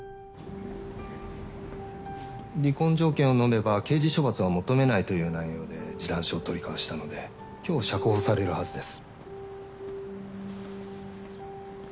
離婚条件をのめば刑事処罰は求めないという内容で示談書を取り交わしたので今日釈放されるはずです。